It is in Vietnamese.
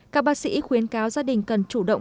các bác sĩ khuyến cáo gia đình cần chủ động phát triển